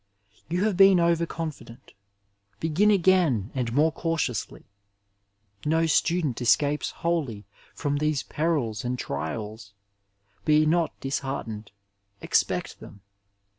You have been over confident. Begin again and more cautiously. No student esci^)es wholly from these perils and trials ; be not dis heartened, expect them.